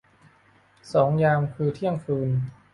สองยาม คือเที่ยงคืน